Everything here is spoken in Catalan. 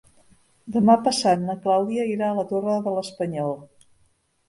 Demà passat na Clàudia irà a la Torre de l'Espanyol.